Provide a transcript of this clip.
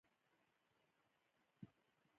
باسواده نجونې د غریبانو سره مرسته کوي.